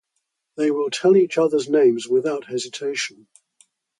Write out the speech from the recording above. They will tell each other's names without hesitation.